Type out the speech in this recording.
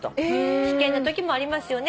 「危険なときもありますよね。